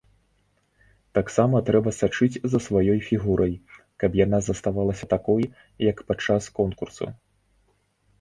Таксама трэба сачыць за сваёй фігурай, каб яна заставалася такой, як падчас конкурсу.